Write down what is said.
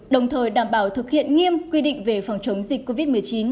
đồng thời đảm bảo thực hiện nghiêm quy định về phòng chống dịch covid một mươi chín